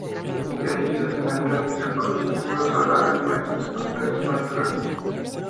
Allí se alimentan y se reproducen numerosas aves marinas y costeras y mamíferos acuáticos.